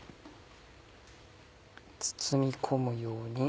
包み込むように。